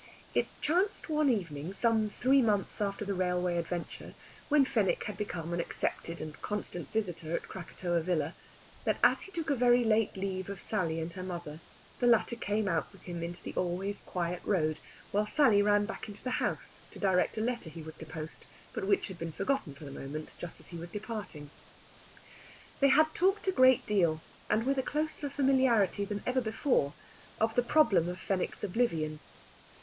It chanced one evening, some three months after the railway adventure, when Fenwick had become an accepted and constant visitor at Krakatoa Villa, that as he took a very late leave of Sally and her mother, the latter came out with him into the always quiet road, while Sally ran back into the house to direct a letter he was to post, but which had been forgotten for the moment, just as he was departing. They had talked a great deal, and with a closer familiarity than ever before, of the problem of Fenwick's oblivion.